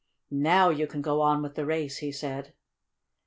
"Now you can go on with the race," he said.